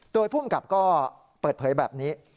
โดยภูมิกับก็เปิดเผยแบบนี้